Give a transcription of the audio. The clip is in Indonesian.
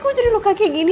kok jadi luka kaya gini